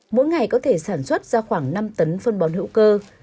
mỗi ngày có thể sản xuất ra khoảng năm tấn phân bón hữu cơ